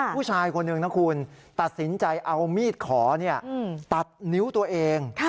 ผู้ชายคนหนึ่งนะคุณตัดสินใจเอามีดขอตัดนิ้วตัวเอง